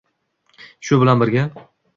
shu bilan birga